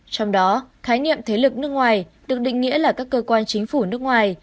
trong đó khái niệm thế lực nước ngoài được định nghĩa là các cơ quan chính phủ nước ngoài